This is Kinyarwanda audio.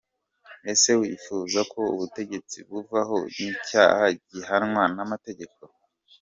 Ese kwifuza ko ubutegetsi buvaho ni icyaha gihanwa n’amategeko?